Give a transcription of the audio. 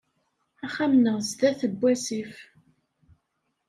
Axxam-nneɣ sdat n wasif.